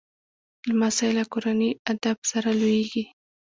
لمسی له کورني ادب سره لویېږي